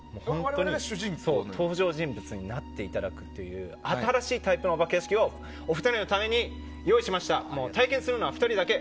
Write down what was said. お二人に登場人物になっていただくという新しいタイプのお化け屋敷をお二人のために用意しました。